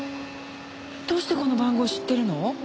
どうしてこの番号知ってるの？